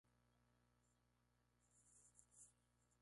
Estación de Trabajo.